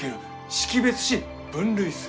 識別し分類する。